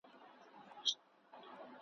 د غوايی په غاړه ولي زنګوله وي ,